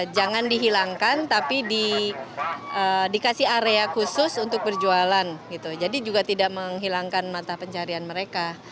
jangan dihilangkan tapi dikasih area khusus untuk berjualan jadi juga tidak menghilangkan mata pencarian mereka